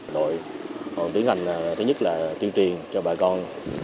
đội tiến hành thứ nhất là tiêu triền cho bà con